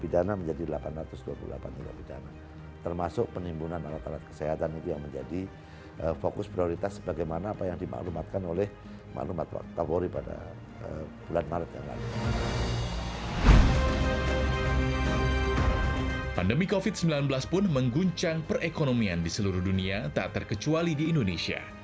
dalam undang undang no dua tahun dua ribu dua puluh tentang kepolisian negara republik indonesia